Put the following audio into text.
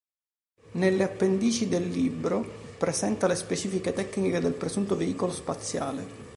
Nelle appendici del libro presenta le specifiche tecniche del presunto veicolo spaziale.